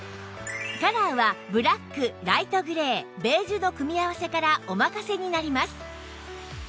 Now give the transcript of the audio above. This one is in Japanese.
カラーはブラックライトグレーベージュの組み合わせからお任せになります